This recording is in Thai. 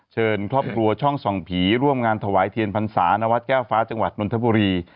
เชิญครอบครัวช่องส่องผีร่วมงานถวายเทียนพรรษานวัดแก้วฟ้าจังหวัดนทบุรี